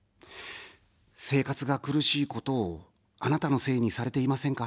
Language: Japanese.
生活が苦しいことを、あなたのせいにされていませんか。